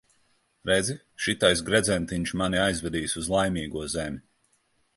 Redzi, šitais gredzentiņš mani aizvedīs uz Laimīgo zemi.